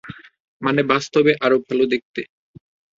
মানে, বাস্তবে আরো ভালো দেখতে।